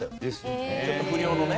ちょっと不良のね。